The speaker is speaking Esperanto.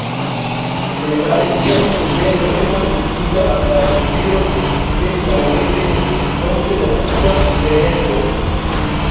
Ĝenerale tia sinteno estas ligita al la deziro teni laŭeble multe da nacia suvereneco.